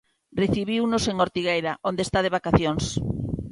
Recibiunos en Ortigueira onde está de vacacións.